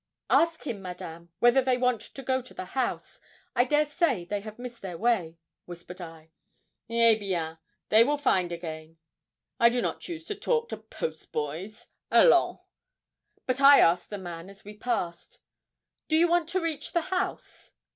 'Ask him, Madame, whether they want to go to the house; I dare say they have missed their way,' whispered I. 'Eh bien, they will find again. I do not choose to talk to post boys; allons!' But I asked the man as we passed, 'Do you want to reach the house?'